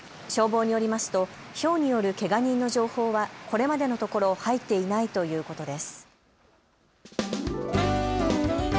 消防によりますとひょうによるけが人の情報はこれまでのところ入っていないということです。